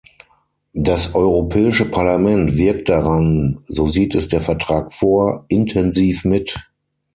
Das Europäische Parlament wirkt daran so sieht es der Vertrag vor intensiv mit.